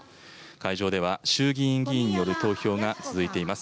会場では衆議院議員による投票が続いています。